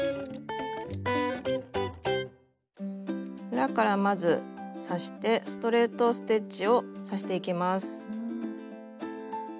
裏からまず刺してストレート・ステッチを刺していきます。